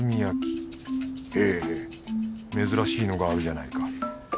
へぇ珍しいのがあるじゃないか。